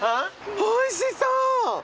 おいしそう！